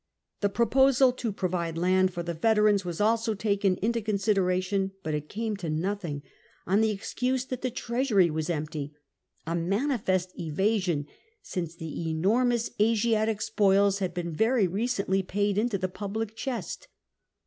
The proposal to provide land for the veterans was also taken into consideration, but it came to nothing, on the excuse tOMPEf ^64 that the treasury was empty, a manifest evasion, since the enormous Asiatic spoils had been very recently paid into the public chest.